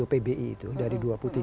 pbi itu dari dua puluh tiga